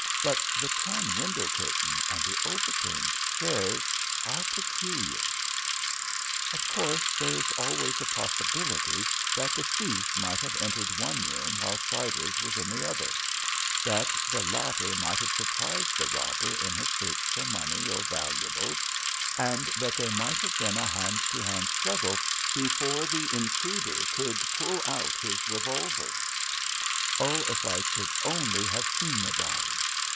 But the torn window curtain and the overturned chairs are peculiar. "Of course there is always a possibility that the thief might have entered one room while Siders was in the other; that the latter might have surprised the robber in his search for money or valuables, and that there might have been a hand to hand struggle before the intruder could pull out his revolver. Oh, if I could only have seen the body!